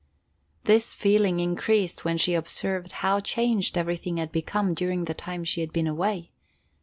This feeling increased when she observed how changed everything had become during the time she had been away.